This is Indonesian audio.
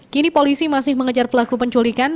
kini polisi masih mengejar pelaku penculikan